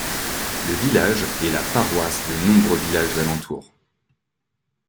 Le village est la paroisse de nombreux villages alentour.